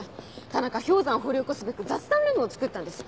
田中氷山を掘り起こすべく雑談ルームをつくったんです。